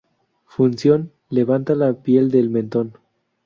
Función: levanta la piel del mentón.